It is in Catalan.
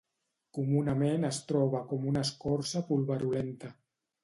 Comunament es troba com una escorça pulverulenta.